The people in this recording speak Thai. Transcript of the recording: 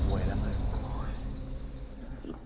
โอ๊ย